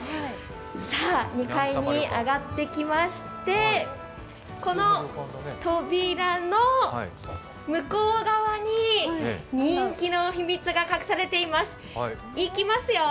さあ、２階に上がってきまして、この扉の向こう側に人気の秘密が隠されています。